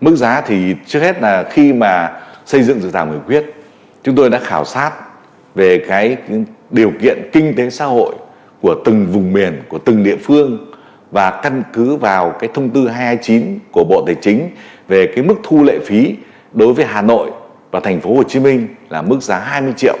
mức giá thì trước hết là khi mà xây dựng dự thảo ngựa thuyết chúng tôi đã khảo sát về cái điều kiện kinh tế xã hội của từng vùng miền của từng địa phương và căn cứ vào cái thông tư hai trăm hai mươi chín của bộ tài chính về cái mức thu lệ phí đối với hà nội và thành phố hồ chí minh là mức giá hai mươi triệu